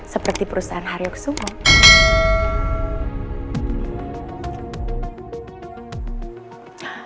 seperti perusahaan haryo kusumo